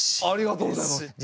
ありがとうございます。